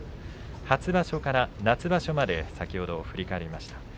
初場所から夏場所まで先ほど振り返りました。